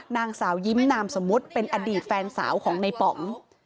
นางสาวยิ้มนามสมมุติเป็นอดีตแฟนสาวของในป๋อง